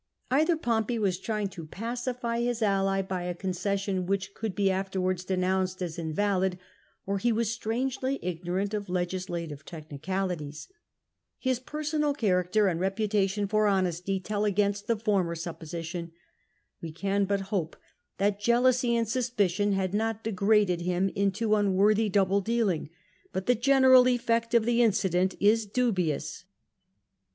Either Pompey was trying to pacify his ally by a concession which could be afterwards denounced as invalid, or he was strangely ignorant of legislative technicalities. His personal character and reputation for honesty tell against the former supposition. We can but hope that jealousy and suspicion had not degraded him into unworthy double dealing; but the general effect of the incident is dubious.